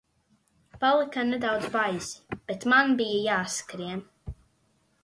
Palika nedaudz baisi, bet man bija jāskrien.